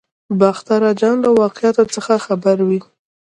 باختر اجان له واقعاتو څخه خبر وي.